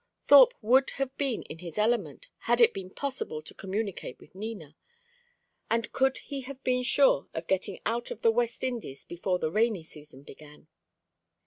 Thorpe would have been in his element had it been possible to communicate with Nina, and could he have been sure of getting out of the West Indies before the rainy season began.